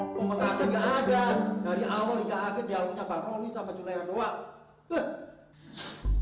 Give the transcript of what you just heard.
pementasan gak ada dari awal hingga akhir dihalangnya bang rony sama juleha doang